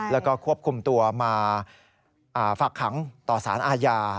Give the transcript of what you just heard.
แล้วก็ควบคุมตัวมาฝากขังต่อสารอาญา